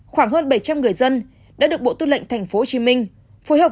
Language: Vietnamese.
khoảng hơn bảy trăm linh người dân đã được bộ tư lệnh tp hcm phối hợp